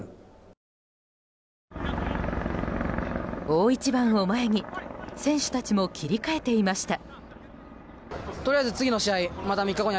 大一番を前に選手たちも切り替えていました。